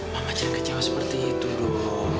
mama jangan kecewa seperti itu dong